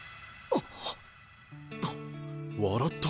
あっ笑った。